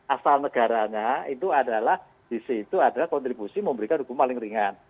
asal negaranya itu adalah dc itu adalah kontribusi memberikan hukum paling ringan